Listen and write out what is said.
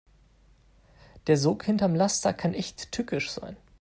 Der Sog hinterm Laster kann echt tückisch sein.